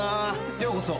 ようこそ。